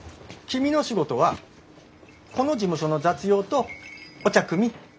君の仕事はこの事務所の雑用とお茶くみ。